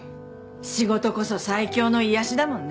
仕事こそ最強の癒やしだもんね。